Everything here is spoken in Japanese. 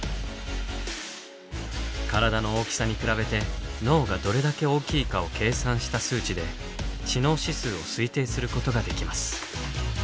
体の大きさに比べて脳がどれだけ大きいかを計算した数値で知能指数を推定することができます。